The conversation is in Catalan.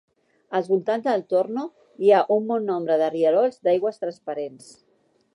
Als voltants d'El Torno hi ha un bon nombre de rierols d'aigües transparents.